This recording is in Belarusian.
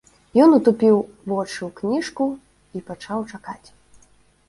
Ён утупіў вочы ў кніжку і пачаў чакаць.